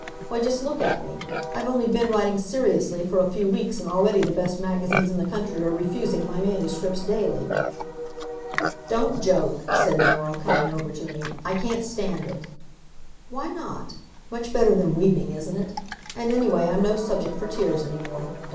Why, just look at me! I've only been writing seriously for a few weeks, and already the best magazines in the country are refusing my manuscripts daily." "Don't joke," said Norah, coming over to me, "I can't stand it." "Why not? Much better than weeping, isn't it? And anyway, I'm no subject for tears any more. Dr.